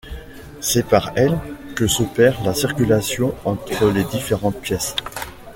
C'est par elle que s'opère la circulation entre les différentes pièces.